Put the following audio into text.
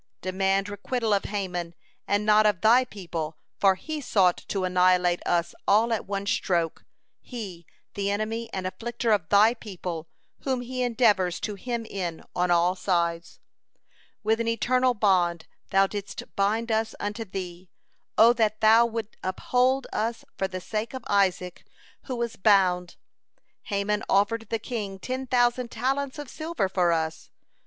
Demand requital of Haman and not of Thy people, for he sought to annihilate us all at one stroke, he, the enemy and afflicter of Thy people, whom he endeavors to hem in on all sides. "With an eternal bond Thou didst bind us unto Thee. O that Thou wouldst uphold us for the sake of Isaac, who was bound. Haman offered the king ten thousand talents of silver for us.